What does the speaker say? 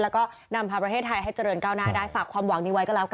แล้วก็นำพาประเทศไทยให้เจริญก้าวหน้าได้ฝากความหวังนี้ไว้ก็แล้วกัน